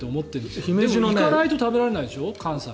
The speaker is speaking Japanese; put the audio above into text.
でも行かないと食べられないでしょ、関西。